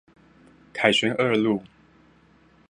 凱旋二路